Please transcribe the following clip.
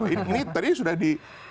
ini tadi sudah di